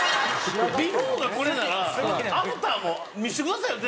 ビフォーがこれならアフターも見せてくださいよ